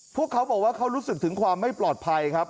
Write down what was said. พวกเขาบอกว่าเขารู้สึกถึงความไม่ปลอดภัยครับ